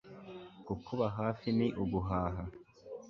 kukuba hafi ni uguhaha